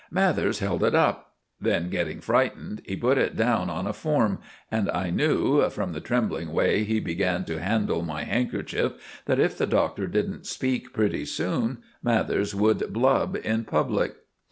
Mathers held it up; then, getting frightened, he put it down on a form, and I knew, from the trembling way he began to handle my handkerchief that if the Doctor didn't speak pretty soon, Mathers would blub in public.